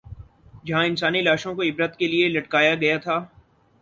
جہاں انسانی لاشوں کو عبرت کے لیے لٹکایا گیا تھا۔